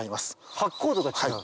発酵度が違う？